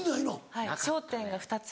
はい商店が２つ。